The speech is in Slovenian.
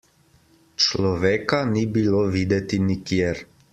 Človeka ni bilo videti nikjer!